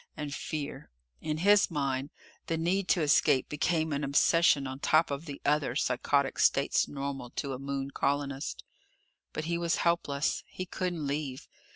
And fear. In his mind the need to escape became an obsession on top of the other psychotic states normal to a Moon colonist. But he was helpless. He couldn't leave.